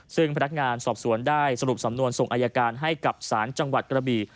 ซึ่งพนักงานสอบสวนได้สรุปสำนวนส่งอายการให้กับศาลจังหวัดกระบี่